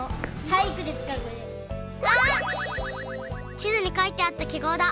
ちずにかいてあったきごうだ！